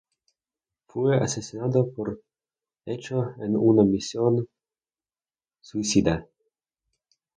Fue asesinado por Echo en una misión suicida.